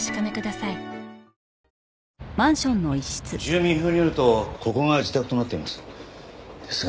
住民票によるとここが自宅となっています。